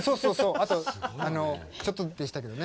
あとちょっとでしたけどね